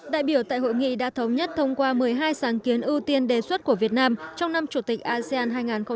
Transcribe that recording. đại biểu tại hội nghị đã thống nhất thông qua một mươi hai sáng kiến ưu tiên đề xuất của việt nam trong năm chủ tịch asean hai nghìn hai mươi